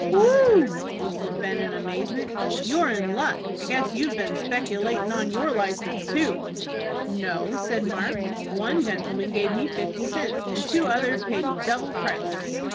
"Whew!" whistled Ben, in amazement. "You're in luck. I guess you've been speculatin' on your license too." "No," said Mark; "one gentleman gave me fifty cents, and two others paid me double price."